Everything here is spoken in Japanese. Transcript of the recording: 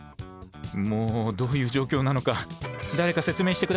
もうどういう状況なのか誰か説明して下さい。